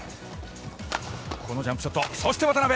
このジャンプショット、そして渡辺。